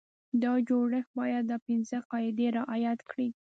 دا جوړښت باید دا پنځه قاعدې رعایت کړي.